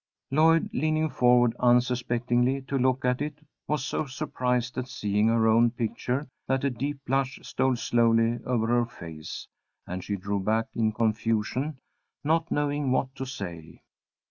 Lloyd, leaning forward unsuspectingly to look at it, was so surprised at seeing her own picture that a deep blush stole slowly over her face, and she drew back in confusion, not knowing what to say.